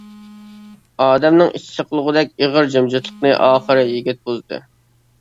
ئادەمنىڭ ئىچى سىقىلغۇدەك ئېغىر جىمجىتلىقنى ئاخىرى يىگىت بۇزدى.